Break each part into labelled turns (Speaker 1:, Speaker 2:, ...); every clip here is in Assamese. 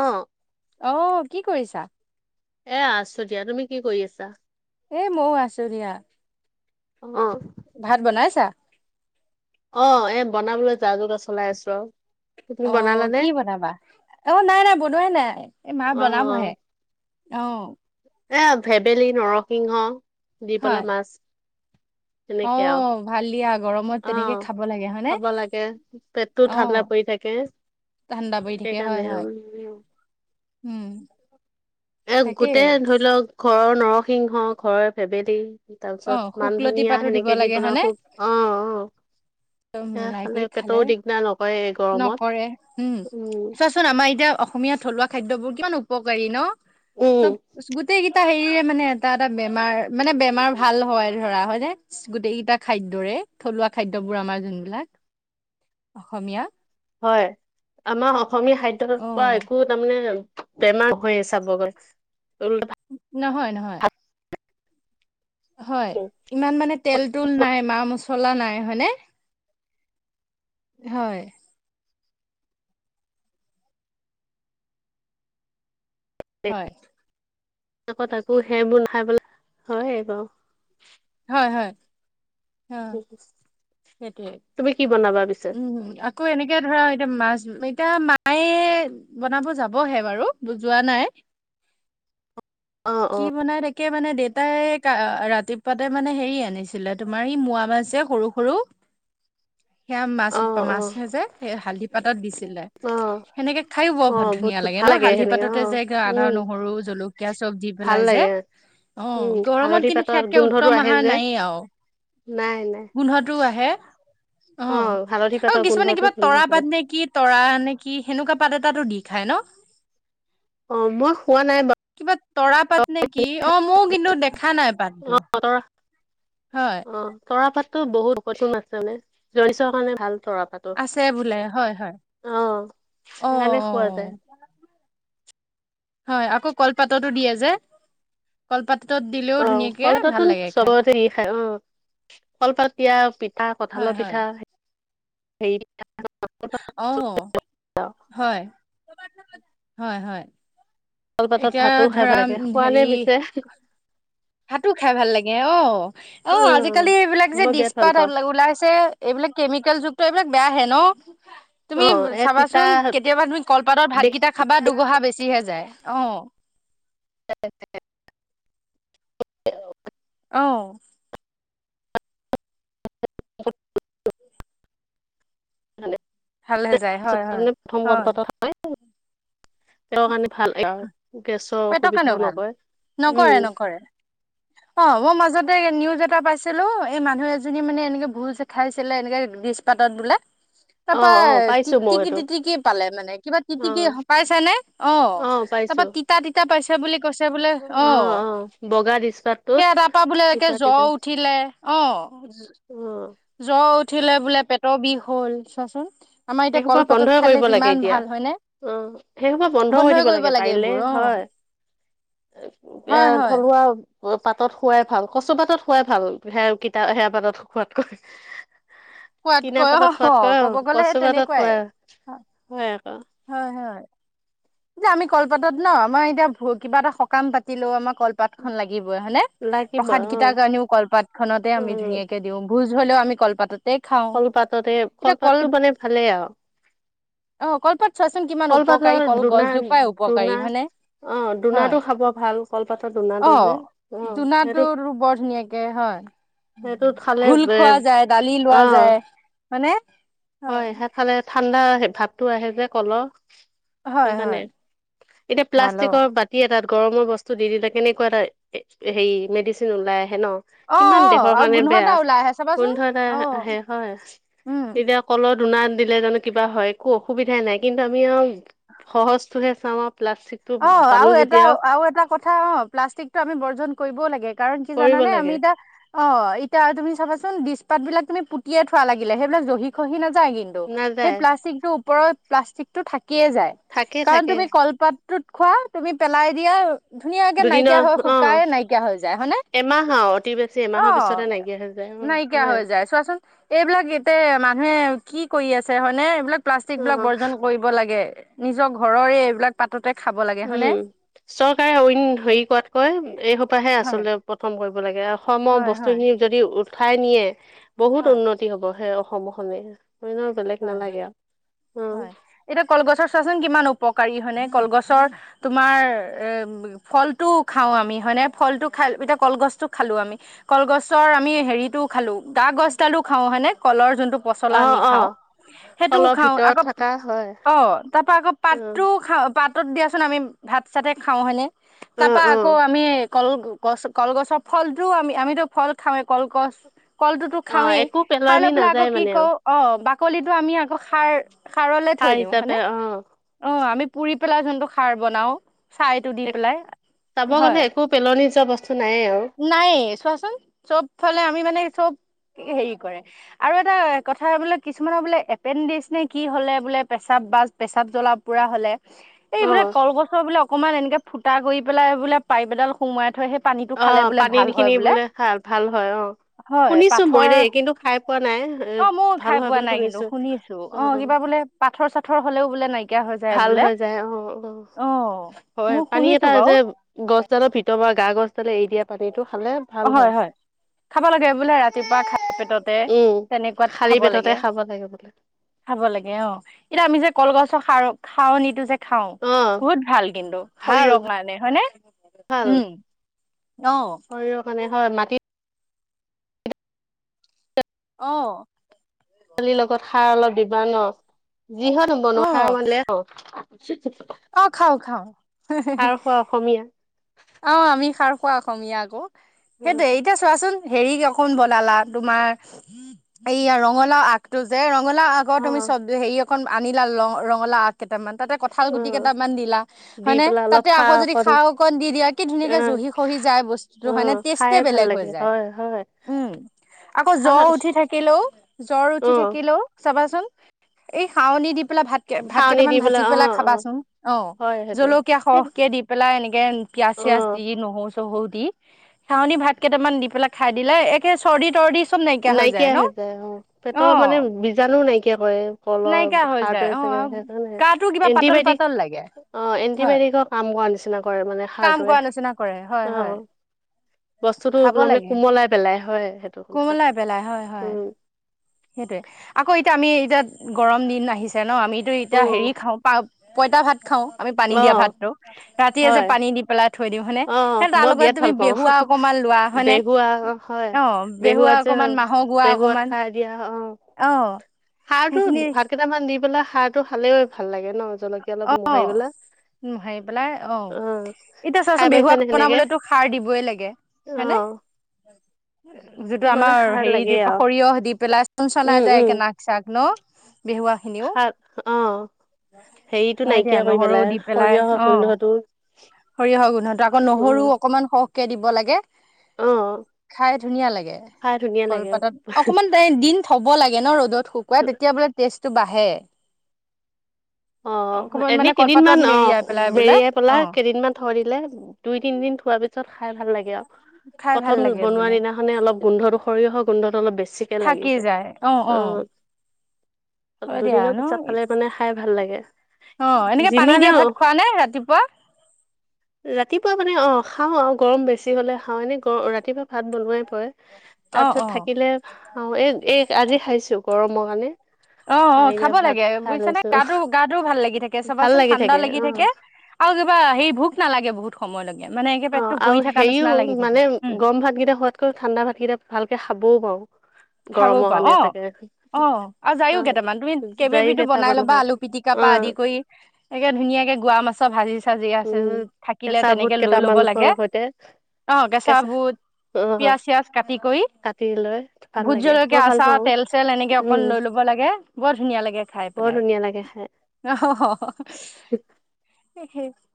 Speaker 1: অ।
Speaker 2: অ কি কৰিছা?
Speaker 1: এ আছো দিয়া তুমি কি কৰি আছা।
Speaker 2: এই ম‌উ আচদিয়া।
Speaker 1: অ
Speaker 2: ভাত বনাইছা।
Speaker 1: অ এ বনাবলৈ যা যোগা চলাই আছো আও।
Speaker 2: অ কি বনাবা অ নাই নাই বনোৱাই নাই এই মা
Speaker 1: অ অ
Speaker 2: বনাবহে। অ।
Speaker 1: এ ভেবেলী নৰসিংহ দি
Speaker 2: হয়।
Speaker 1: পেলা মাছ।
Speaker 2: [inaudible] অ
Speaker 1: তেনেকে আৰু
Speaker 2: ভাল দিয়া গৰমত
Speaker 1: অ
Speaker 2: তেনেকে খাব লাগে হয়নে
Speaker 1: খাব
Speaker 2: অ।
Speaker 1: এ।
Speaker 2: ঠাণ্ডা পৰি থাকে হয় হয় উম।
Speaker 1: এ
Speaker 2: তাকেই।
Speaker 1: গোটেই ধৰি লওক ঘৰৰ নৰসিংহ ঘৰৰ ভেবেলী। তাৰ
Speaker 2: অ',
Speaker 1: পিছত মান
Speaker 2: শুকলতি
Speaker 1: ধনিয়া
Speaker 2: পাতো দিব
Speaker 1: সেনেকে দি
Speaker 2: লাগে
Speaker 1: পেলাই
Speaker 2: হয়নে?
Speaker 1: খুব অ অ। সেয়া
Speaker 2: মিলাই কৰি
Speaker 1: পেটৰো
Speaker 2: খালে
Speaker 1: দিগদাৰ নকৰে এই গৰমত
Speaker 2: নকৰে উম চোৱাচোন আমাৰ এতিয়া। অসমীয়া থলুৱা খাদ্যবোৰ কিমান উপকাৰী ন
Speaker 1: উম
Speaker 2: চব গোটেই কেইটা হে। সি মানে এটা এটা বেমাৰ মানে বেমাৰ। ভাল হয় ধৰা হয়নে গোটেইকেইটা খাদ্যৰে থলুৱা খাদ্যবোৰ আমাৰ যোনবিলাক। অসমীয়া।
Speaker 1: হয় আমাৰ অসমীয়া খাদ্যৰ পৰা
Speaker 2: অ'
Speaker 1: একো তাৰমানে। বেমাৰ হৈয়ে চাব গ'লে।
Speaker 2: নহয়। হয় ইমান মানে তেল তোল নাই মা মছলা। চলা নাই হয়নে হয়। হয়।
Speaker 1: আকৌ তাকো সেইবোৰ নাখাই পেলাই হয় বাও।
Speaker 2: হয় হয়। অ সেইটোৱে
Speaker 1: তুমি কি বনাবা। পিছে
Speaker 2: উম আকৌ এনেকে ধৰা এতিয়া মাছ। এতিয়া মায়ে বনাব যাবহে বাৰু যোৱা নাই।
Speaker 1: অ অ
Speaker 2: কি বনাই তাকে। মানে দেউতাই ৰাতিপুৱাতে মানে হেৰি আনিছিলে তোমাৰ ই মোৱা মাছ যে সৰু সৰু। [inaudible] সেয়া মাছ
Speaker 1: অ অ
Speaker 2: -মাছ যে সেই হালধি পাতত দিছিলে,
Speaker 1: অ
Speaker 2: সেনেকে খায়ো বৰ
Speaker 1: অ
Speaker 2: বহত
Speaker 1: বহুত
Speaker 2: ধুনীয়া লাগে।
Speaker 1: ভাল
Speaker 2: ন হালধি
Speaker 1: সেনেকে অ
Speaker 2: পাততে যে আদা,
Speaker 1: উম
Speaker 2: নহৰু, জলকীয়া চব দি
Speaker 1: ভাল
Speaker 2: পেলাই যে
Speaker 1: লাগে
Speaker 2: অ
Speaker 1: উম
Speaker 2: গৰমত
Speaker 1: হালধি
Speaker 2: কিন্তু
Speaker 1: পাতৰ
Speaker 2: সেয়াতকে
Speaker 1: গোন্ধটো
Speaker 2: উত্তম
Speaker 1: আহে
Speaker 2: আহাৰ
Speaker 1: যে
Speaker 2: নাই আও।
Speaker 1: নাই নাই।
Speaker 2: অ,
Speaker 1: হালধি
Speaker 2: আকৌ
Speaker 1: পাতৰ
Speaker 2: কিছুমানে
Speaker 1: গোন্ধটো
Speaker 2: কিবা
Speaker 1: ধুনীয়া
Speaker 2: তৰা
Speaker 1: লাগে
Speaker 2: পাত নে কি তৰা নে কি সেনেকুৱা পাতত তাটো দি খাই ন।
Speaker 1: অ মই খোৱা নাই বাও।
Speaker 2: কিবা তৰা পাত। নেকি অ ম‌উ কিন্তু দেখা নাই
Speaker 1: অ
Speaker 2: পাতটো
Speaker 1: তৰা
Speaker 2: হয়।
Speaker 1: তো বহুত কঠিন আছিলে জৰ চৰ কাৰণে ভাল। তৰা পাতো
Speaker 2: আছে বোলে হয় হয়
Speaker 1: অ
Speaker 2: অ
Speaker 1: সেইকাৰণে
Speaker 2: অ
Speaker 1: খোৱা যায়।
Speaker 2: [inaudible] হয় আকৌ কলপাততো দিয়ে যে কলপাত।
Speaker 1: অ সলতোন চবতে ই খায় অ। কলপতিয়া পিঠা
Speaker 2: হয়
Speaker 1: কঠালৰ
Speaker 2: হয়
Speaker 1: পিঠা হেৰি পিঠা।
Speaker 2: অ হয় হয় হয়।
Speaker 1: কলপাতত
Speaker 2: এতিয়া
Speaker 1: ভাতো খাই
Speaker 2: ধৰা
Speaker 1: ভাল লাগে
Speaker 2: উম
Speaker 1: খোৱা নে
Speaker 2: হেৰি।
Speaker 1: পিছে?
Speaker 2: ভাতো খাই ভাল লাগে অ অ আজিকালি এইবিলাক যে
Speaker 1: মই বিৰাট ভাল
Speaker 2: দিছপাত
Speaker 1: পাওঁ
Speaker 2: ওলাইছে এইবিলাক। কেমিকেল যুক্ত এইবিলাক বেয়াহে ন। তুমি
Speaker 1: অ', এ তিতা
Speaker 2: চাবাচোন কেতিয়াবা তুমি কলপাতৰ ভাতকেইটা খাবা দুগহা বেছি হে যায়। অহ
Speaker 1: [inaudible]
Speaker 2: অ'
Speaker 1: [inaudible] াৰে
Speaker 2: ভালহে যায় হয়, হয়,
Speaker 1: প্ৰথম গলপাত হয় [inaudible] তেওঁ কাৰণে ভাল। গেছৰ
Speaker 2: পেটৰ
Speaker 1: অসুবিধাও
Speaker 2: কাৰণেও ভাল,
Speaker 1: নকয় উম,
Speaker 2: নকৰে নকৰে অ মোৰ মাজত তে নিউজ এটা পাইছিলোঁ, এই মানুহ এজনী মানে এনেকে ভুচ খাইছিলে এনেকে দিজ পাতত বোলে। তাৰপা
Speaker 1: অ', অ', পাইছো মই
Speaker 2: টিটিকি-
Speaker 1: সেইটো
Speaker 2: টিটিকি পালে মানে, কিবা টিটিকি পাইছে নে অ। তাৰপা
Speaker 1: পাইছোঁ।
Speaker 2: তিতা তিতা পাইছে বুলি কৈছে বোলে অ।
Speaker 1: বগা দিছপাতটোত
Speaker 2: সেই তাৰপৰা বোলেকে
Speaker 1: তিতা তিতা
Speaker 2: জ্বৰ উঠিলে অ।
Speaker 1: অ',
Speaker 2: জ্বৰ উঠিলে বোলে পেটৰ বিষ হ'ল চোৱাচোন। আমাৰ এতিয়া কলপাতত খালে কিমান ভাল হয়নে?
Speaker 1: অ, সেই সোপা বন্ধ কৰি
Speaker 2: বন্ধই
Speaker 1: দিব
Speaker 2: কৰিব
Speaker 1: লাগে পাৰিলে
Speaker 2: এইবোৰ অ
Speaker 1: হয়। এ
Speaker 2: হয় হয়
Speaker 1: থলুৱা পাতত শোৱাই ভাল কচু পাতত শোৱাই ভাল সে কিটা সে পাতত খোৱাতকৈ। কিনা
Speaker 2: খোৱাতকৈ
Speaker 1: পাতত
Speaker 2: অ
Speaker 1: সোৱাদ কৰা
Speaker 2: ক'ব গ'লে সেই
Speaker 1: কচুপাতত
Speaker 2: তেনেকুৱাই
Speaker 1: খোৱা হয়। আকৌ
Speaker 2: হয় হয়। এয়া আমি কলপাতত ন আমাৰ এতিয়া কিবা এটা সকাম পাতিলো, আমাক কলপাতখন লাগিবই হয়নে?
Speaker 1: লাগিব
Speaker 2: প্ৰসাদ কেইটাৰ
Speaker 1: অ',
Speaker 2: কাৰণেও কলপাতখনতে আমি
Speaker 1: উম,
Speaker 2: ধুনীয়াকে দিওঁ ভোজ হ'লেও আমি কলপাতত
Speaker 1: কলপাততে কলপাতটো মানে ভালেই আৰু।
Speaker 2: অ কলপাত চোৱাচোন কিমান
Speaker 1: কলপাতৰ
Speaker 2: উপকাৰী,
Speaker 1: দুনা
Speaker 2: কলগছজোপাই
Speaker 1: দুনা
Speaker 2: উপকাৰী হয়নে?
Speaker 1: অ',
Speaker 2: হয়,
Speaker 1: দুনাটো খাব ভাল কলপাতৰ দুনাটো
Speaker 2: অ
Speaker 1: যে অ', সেইটো
Speaker 2: জুনাটো বৰ ধুনীয়াকে হয়।
Speaker 1: সেইটো খালে
Speaker 2: ঘোল
Speaker 1: এ
Speaker 2: খোৱা যায় দালি
Speaker 1: অ।
Speaker 2: মানে
Speaker 1: হয় সেইফালে ঠাণ্ডা ভাৱতো আহে যে কলৰ।
Speaker 2: হয়
Speaker 1: সেইকাৰণে
Speaker 2: হয়
Speaker 1: এতিয়া
Speaker 2: ভাল অ
Speaker 1: প্লাষ্টিকৰ বাতি এটাত গৰমৰ বস্তু দি দিলে কেনেকুৱা এটা হেৰি মেডিচিন ওলাই। আহে ন
Speaker 2: অ
Speaker 1: কিমান
Speaker 2: অ
Speaker 1: দেহৰ
Speaker 2: আৰু
Speaker 1: কাৰণে
Speaker 2: গোন্ধ এটা
Speaker 1: বেয়া
Speaker 2: ওলাই আহে চাবাচোন
Speaker 1: গোন্ধ এটা
Speaker 2: অ
Speaker 1: আহে হয়।
Speaker 2: উম
Speaker 1: সকলৰ দুনাত দিলে জানো কিবা হয় একো অসুবিধাই নাই কিন্তু আমি আৰু সহজটোহে চাম আৰু। প্লাষ্টিকটো
Speaker 2: অ আৰু
Speaker 1: পালো
Speaker 2: এটা
Speaker 1: যেতিয়া
Speaker 2: আৰু এটা কথা অ প্লাষ্টিক টো আমি বৰ্জন কৰিবও লাগে। কাৰণ কি
Speaker 1: কৰিব
Speaker 2: জানে আমি
Speaker 1: লাগে
Speaker 2: এতিয়া অ এতিয়া তুমি চাবাচোন ডি পাতবিলাক তুমি পুটিয়েই থোৱা লাগিলে, সেইবিলাক জহি খহি নাযায় কিন্তু সেই
Speaker 1: নাযায়
Speaker 2: প্লাষ্টিকটোৰ ওপৰত প্লাষ্টিকটো থাকিয়ে যায়,
Speaker 1: থাকে
Speaker 2: কাৰণ
Speaker 1: থাকে
Speaker 2: তুমি কলপাতটোত খোৱা তুমি পেলাই দিয়া ধুনীয়াকে নাইকিয়া হয়
Speaker 1: দুদিনৰ অ
Speaker 2: শুকাই নাইকিয়া হৈ যায় হয়নে?
Speaker 1: এমাহ আৰু অতি বেছি
Speaker 2: অ।
Speaker 1: এমাহৰ পিছতে নাইকিয়া হৈ যায় অ
Speaker 2: নাইকিয়া
Speaker 1: হয়
Speaker 2: হৈ যায় চোৱাচোন, এইবিলাক এতে মানুহে কি কৰি আছে হয়নে এইবিলাক
Speaker 1: অ
Speaker 2: প্লাষ্টিকবিলাক বৰ্জন কৰিব লাগে, নিজৰ ঘৰৰে এইবিলাক পাত
Speaker 1: উম, চৰকাৰে ৱিন হেৰি কৰাতকৈ এই সোপাহে
Speaker 2: হয়
Speaker 1: আচলতে প্ৰথম কৰিব ব লাগে, সম
Speaker 2: হয় হয়
Speaker 1: বস্তুখিনি যদি উঠাই নিয়ে
Speaker 2: হয়
Speaker 1: বহুত উন্নতি হব সেই হ'ব হলে।
Speaker 2: হয় হয় হয়,
Speaker 1: অ
Speaker 2: এতিয়া কলগছৰ চোৱাচোন কিমান উপক উপকাৰী হয়নে কলগছৰ তোমাৰ এ ফলটো খাওঁ আমি হয়নে? ফলটো খাই এতিয়া কলগছটো খালো আমি, কলগছৰ আমি হেৰিটো খালোঁ গা- গছডালো খাওঁ হয়নে কলৰ যোন টো পচলা
Speaker 1: অ
Speaker 2: আমি
Speaker 1: অ
Speaker 2: খাওঁ। সেইটো
Speaker 1: অলপ
Speaker 2: খাওঁ
Speaker 1: ভিতৰত
Speaker 2: আকৌ,
Speaker 1: থকা হয়
Speaker 2: অ তাৰ পৰা আকৌ
Speaker 1: অ
Speaker 2: পাতটো খাওঁ। পাতত দিয়াচোন আমি ভাত চাতে খাওঁ হয়েনে,
Speaker 1: অ
Speaker 2: তাৰাপা
Speaker 1: অ
Speaker 2: আকৌ আমি কলগছ -কলগছৰ ফলটো আমি আমিতো ফল খাওঁৱে কলগছ কলটোতো
Speaker 1: অ
Speaker 2: খাওঁৱেই,
Speaker 1: একো
Speaker 2: খাই
Speaker 1: পেলনি
Speaker 2: লৈ পেলাই আকৌ
Speaker 1: নাযায়
Speaker 2: কি
Speaker 1: মানে আৰু
Speaker 2: অ বাক কিটো আমি আক খাৰ খাৰলে
Speaker 1: সাৰ
Speaker 2: থৈ দিওঁ
Speaker 1: হিচাপে
Speaker 2: হয়নে?
Speaker 1: অ
Speaker 2: অহ আমি পুৰি পেলাই যোনটো খাৰ বনাও, ছাইটো দি পেলাই
Speaker 1: চাব গ'লে
Speaker 2: হয়।
Speaker 1: একো পেলনি যোৱা বস্তু নাইয়ে আৰু
Speaker 2: নাই চোৱাচোন, চব ফালে আমি মানে চব হেৰি কৰে আৰু এটা কথা বোলে কিছুমানৰ বোলে এপেণ্ডিকছ নে কি হলে বোলে পেচাব বা পেছাব জ্বলা পোৰা হ'লে। এই
Speaker 1: অ
Speaker 2: বোলে কলগছৰ বোলে অকনমান এনেকে ফুটা কৰি পেলাই বোলে পাইপ এডাল সোমোৱাই থয়, সেই পা
Speaker 1: অ পানীৰ খিনি বোলে ভাল ভাল হয়, অ।
Speaker 2: হয়
Speaker 1: শুনিছো
Speaker 2: পাথৰ
Speaker 1: মই দেই কিন্তু খাই পোৱা নাই, এ
Speaker 2: অ ময়ো
Speaker 1: ভাল হয় বুলি শুনিছো, অ অ
Speaker 2: লেব পাথৰ চাথৰ হলেও বোলে নাইকিয়া হৈছে।
Speaker 1: ভাল হৈ যায় অ অ। হয়
Speaker 2: মই
Speaker 1: পানী
Speaker 2: শুনিছো
Speaker 1: এটা
Speaker 2: বাৰু
Speaker 1: যে গছডালৰ ভিতৰ বা গা গছডালে এৰি দিয়া পানীতটো ভাল হয়।
Speaker 2: খাব লাগে বোলে ৰাতিপুৱা খালী পেটতে
Speaker 1: উম
Speaker 2: তেনেকুৱাত
Speaker 1: খালী
Speaker 2: খাব
Speaker 1: পেটতে
Speaker 2: লাগে।
Speaker 1: খাব লাগে বোলে
Speaker 2: খাব লাগে অ এতিয়া আমি যে কলগছৰ খা খাৱনীটো যে খাও,
Speaker 1: অ
Speaker 2: বহুত ভাল কিন্তু
Speaker 1: ভাল
Speaker 2: শৰীৰৰ কাৰণে হয়নে?
Speaker 1: ভাল
Speaker 2: উম অও
Speaker 1: মানে হয় মাটিত
Speaker 2: অহ
Speaker 1: পোৱালীৰ লগত সাৰ অলপ বিবান ন যিহনো
Speaker 2: অ
Speaker 1: বনো সাৰ মানে
Speaker 2: অ খাওঁ খাওঁ।
Speaker 1: খাৰ খোৱা অসমীয়া
Speaker 2: অ আমি খাৰ খোৱা অসমীয়া আকৌ, সেইটো এতিয়া চোৱাচোন হেৰি কখন বনালা তোমাৰ এইয়া ৰঙালাও আগটো যে ৰ ৰঙলা আগৰ
Speaker 1: অ
Speaker 2: তুমি চব হেৰি অক আনলা ৰ ৰঙলা আগ কেইটামান তাতে কঁঠাল
Speaker 1: অ
Speaker 2: গুটি কেইটামান দিলা
Speaker 1: দি
Speaker 2: হয়নে,
Speaker 1: পেলাই অলপ
Speaker 2: তাতে আকৌ যদি খাৰ অকণ দি দিয়া কি
Speaker 1: অ
Speaker 2: ধুনীয়াকে জহি খহি যায় বস্তুতটো
Speaker 1: অ
Speaker 2: হয়নে
Speaker 1: খাই
Speaker 2: টেষ্টেতে
Speaker 1: ভাল
Speaker 2: বেলেগ হৈ
Speaker 1: লাগে
Speaker 2: যায়,
Speaker 1: হয় হয়
Speaker 2: উম। আকৌ জ্বৰ
Speaker 1: খাৰ
Speaker 2: উঠি থাকিলেও জ্বৰ উঠি
Speaker 1: অ
Speaker 2: থাকিলেও চাবাচোন এই শাউনি দ পেলাই ভাত কে ভাত
Speaker 1: খাৱনি
Speaker 2: কেইটামান
Speaker 1: দি
Speaker 2: ভাজি
Speaker 1: অ
Speaker 2: পেলাই
Speaker 1: অ
Speaker 2: খাবাচোন, অ
Speaker 1: হয় সেইটো
Speaker 2: জলকীয়া সৰহকে দি পেলাই এনেকে পিয়াজ চিয়াছ
Speaker 1: অ
Speaker 2: দি নহৰু চহওঁ দি ছাউনী ভাত কেইটামান দি পেলাই খাই দিলে একেই চৰ্দি তৰ্দি
Speaker 1: নাইকিয়া হৈ যায় অ
Speaker 2: অ
Speaker 1: পেটৰ মানে বীজাণুও নাইকিয়া কৰে কলৰ
Speaker 2: নাইকিয়া হৈ যায়
Speaker 1: সাৰটোৱে
Speaker 2: অ
Speaker 1: যে। সেখানে
Speaker 2: গাটো কিবা পাতল
Speaker 1: এণ্টিবায়টিক
Speaker 2: পাতল লাগে
Speaker 1: অ
Speaker 2: হয়
Speaker 1: এণ্টিবায়টিকৰ কাম কৰা নিচিনা কৰে। মানে
Speaker 2: কাম
Speaker 1: সাৰটোৱে
Speaker 2: কৰা নিচিনা কৰে হয়
Speaker 1: অ
Speaker 2: হয়
Speaker 1: বস্তুতটো
Speaker 2: খাব
Speaker 1: তাৰমানে
Speaker 2: লাগে
Speaker 1: কোমলাই পেলাই। হয় সেইটো কুথা
Speaker 2: কোমলাই
Speaker 1: [unintelligible]
Speaker 2: পেলাই হয় হয়। সেইটোয়ে আকৌ এতিয়া আমি এতিয়া গৰম দিন আহিছে ন আমিতো
Speaker 1: অ
Speaker 2: এতিয়া হেৰি খাওঁ পা পইতা ভাত খাও, আমি পানী
Speaker 1: অ
Speaker 2: দিয়া ভাতটো, ৰাতিয়ে যে
Speaker 1: হয়
Speaker 2: পানী দি পেলাই থৈ দিওঁ হয়নে,
Speaker 1: অ
Speaker 2: সে তাৰ
Speaker 1: মই
Speaker 2: লগতে
Speaker 1: বিৰাট
Speaker 2: তুমি
Speaker 1: ভাল পাওঁ
Speaker 2: বেহুৱা অকনমান লোৱা হয়নে?
Speaker 1: বেহুৱা হয়
Speaker 2: অ বেহুৱা
Speaker 1: বেহুৱাত
Speaker 2: অক
Speaker 1: যে
Speaker 2: অকমান মাহৰ গোৱা
Speaker 1: বেহুৱাত
Speaker 2: অকমান।
Speaker 1: খাৰ দিয়া অ
Speaker 2: অ
Speaker 1: সাৰ টো
Speaker 2: সেইখিনি
Speaker 1: ভাত কেইটামান দি পেলাই সাৰ টো খালেও ভাল লাগে। ন জলকীয়া অলপ মোহাই
Speaker 2: অ
Speaker 1: পেলাই,
Speaker 2: উম হাৰি পেলাই
Speaker 1: অ
Speaker 2: এতিয়া
Speaker 1: খাই
Speaker 2: চোৱাচোন বিহুৱাক
Speaker 1: পাইছানে সেনেকে
Speaker 2: বনাবলেতো সাৰ দিবয়ে লাগে, হেনে
Speaker 1: অ
Speaker 2: যিটো
Speaker 1: চবৰে
Speaker 2: আমাৰ
Speaker 1: সাৰ
Speaker 2: হেৰি
Speaker 1: লাগে
Speaker 2: দি
Speaker 1: আৰু
Speaker 2: সৰিয়হ দি পেলাই চ
Speaker 1: উম
Speaker 2: চনাই যায়
Speaker 1: উম
Speaker 2: একে নাক চাক ন? বেহুৱা খিনিও
Speaker 1: সাৰ অ হেৰিটো
Speaker 2: হয় দিয়া
Speaker 1: নাইকিয়া কৰি
Speaker 2: নহৰু
Speaker 1: পেলাই
Speaker 2: দি পেলাই
Speaker 1: সৰিয়হৰ
Speaker 2: অ
Speaker 1: গোন্ধটো
Speaker 2: সৰিয়হৰ গোন্ধটো আকৌ নহৰু অকনমান সহকে দিব লাগে।
Speaker 1: অ
Speaker 2: খাই ধুনীয়া লাগে
Speaker 1: খাই ধুনীয়া লাগে
Speaker 2: কলপাতত অকমান দিন থক হ'ব লাগে ন ৰ'দত শুকুৱাই তেতিয়া বোলে টেষ্টটো বাঢ়ে।
Speaker 1: অ
Speaker 2: অকমান মানে
Speaker 1: এনেই
Speaker 2: কলপাতত
Speaker 1: কেইদিনমান অ
Speaker 2: মেৰিয়াই পেলাই বোলে
Speaker 1: বেৰিয়াই পেলা
Speaker 2: অ
Speaker 1: কেইদিনমান ধৰিলেে দুই তিনদিন থোৱাৰ পিছত খাই ভাল লাগে আৰু
Speaker 2: খাই
Speaker 1: প্ৰথম
Speaker 2: ভাল লাগে
Speaker 1: বনোৱা
Speaker 2: বোলে
Speaker 1: দিনাখানে অলপ গোন্ধটো সৰিয়হ গোন্ধটো অলপ বেছি বেছিকে লাগি যায় অ
Speaker 2: হয় দিয়া
Speaker 1: দুদিনৰ পিছত
Speaker 2: ন
Speaker 1: খালে মানে খাই ভাল লাগে
Speaker 2: অ এনেকে পানী
Speaker 1: যিমানে
Speaker 2: দিয়া ভাত খোৱা নে ৰাতিপুৱা
Speaker 1: ৰাতিপুৱা মানে অ খাওঁ আৰু গৰম বেছি হ'লে খাওঁ এনেই ৰাতিপুৱা ভাত বনাই হয়
Speaker 2: অ
Speaker 1: তাৰ পিছত থাকিলে অ এ এই আজি খাইছো গৰমৰ কাৰণে
Speaker 2: অ অ
Speaker 1: পানী দিয়া
Speaker 2: খাব
Speaker 1: ভাত
Speaker 2: লাগে
Speaker 1: খাই
Speaker 2: বুজিছা নে
Speaker 1: লৈছো
Speaker 2: গাটো গাটোও ভাল লাগি থাকে চবাচোন ঠাণ্ডা লাগি থাকে আৰু কিবা হেৰি ভোক নালাগে বহু সময় লাগে
Speaker 1: অ আৰু হেৰিও মানে
Speaker 2: উম
Speaker 1: গৰম ভাতকেইটা খোৱাতকৈ ঠাণ্ডা ভাতকেইটা ভালকে খাবও পাৰো
Speaker 2: খাবও
Speaker 1: গৰমৰ
Speaker 2: পাওঁ
Speaker 1: কাৰণে
Speaker 2: অ
Speaker 1: চাগে
Speaker 2: অ আৰু যায়ও
Speaker 1: অ'
Speaker 2: কেইটামান তুমি কেইবা
Speaker 1: জাৰি
Speaker 2: বিধো বনাই
Speaker 1: কেইটামান
Speaker 2: ল'বা
Speaker 1: হয়
Speaker 2: আলু পিটিকা প আদি
Speaker 1: অ'
Speaker 2: কৰি একে ধুনীয়া [unintelligible] ধুনীয়াকে গোৱা মাছৰ ভাজি [unintelligible] কেচা যি আছে
Speaker 1: উম
Speaker 2: থাকিলে
Speaker 1: কেঁচা বুট
Speaker 2: তেনেকে লৈ ল'ব
Speaker 1: কেইটামান
Speaker 2: লাগে
Speaker 1: সৈতে
Speaker 2: অ কেঁচা বুট [unintelligible]
Speaker 1: অ'
Speaker 2: পিয়াজ চিয়াজ কাটি কৰি
Speaker 1: কাটি লৈ ভাল
Speaker 2: ভোত
Speaker 1: লাগে
Speaker 2: জলকীয়া
Speaker 1: মই ভাল
Speaker 2: আচাৰ
Speaker 1: পাওঁ
Speaker 2: তেল চেল এনেকে অকন
Speaker 1: উম
Speaker 2: লৈ লব লাগে বৰ ধুনীয়া লাগে খাই
Speaker 1: বৰ
Speaker 2: পেলাই
Speaker 1: ধুনীয়া লাগে খাই
Speaker 2: আহ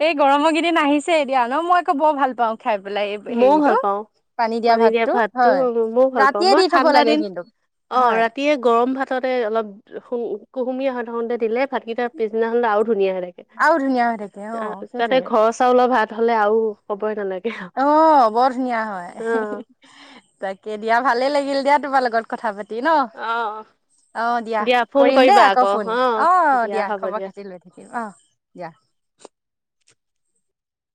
Speaker 2: এই গৰমৰকেইদিন আহিছে এতিয়া ন মই আকৌ বৰ ভাল পাও
Speaker 1: মইও ভাল পাওঁ পানী দিয়া
Speaker 2: ভাতটো
Speaker 1: ভাততো
Speaker 2: হয়
Speaker 1: মইও ভাল পাওঁ
Speaker 2: ৰাতিয়ে দি
Speaker 1: মই
Speaker 2: থব
Speaker 1: ঠাণ্ডা
Speaker 2: লাগে
Speaker 1: দিন
Speaker 2: কিন্তু
Speaker 1: অ
Speaker 2: হয়
Speaker 1: ৰাতিয়ে গৰ গৰম ভাততে অলপু কুহুমীয়া হৈ থাকোঁতে দিলে ভাতকেই পিছদিনা ধুনীয়া লাগে
Speaker 2: আৰু ধুনীয়া হৈ থাকে অ
Speaker 1: তাতে
Speaker 2: সেইটোয়ে
Speaker 1: ঘৰৰ চাউলৰ ভাত হ'লে আৰু ক'বই নালাগে
Speaker 2: অ বৰ ধুনীয়া হয়
Speaker 1: অ
Speaker 2: তাকে দিয়া ভালে লাগিল দিয়া তোমাৰ লগত কথা পাতি ন
Speaker 1: আহ
Speaker 2: অ দিয়া কৰিম দেই আকৌ ফোন অ দিয়া খবৰ খাতি লৈ থাকিম অ যা